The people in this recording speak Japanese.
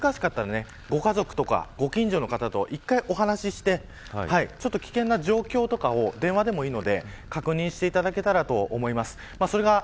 もし、それが難しかったらご家族とかご近所の方と１回をお話をして危険な状況を、電話でもいいので確認していただけたらと思います。